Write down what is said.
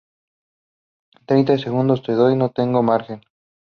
treinta segundos te doy. no tengo margen.